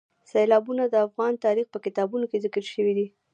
سیلابونه د افغان تاریخ په کتابونو کې ذکر شوی دي.